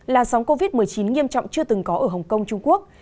là sóng covid một mươi chín nghiêm trọng chưa từng có ở hồng kông trung quốc